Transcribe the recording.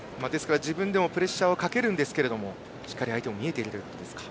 自分でもプレッシャーはかけますがしっかり相手が見えているという。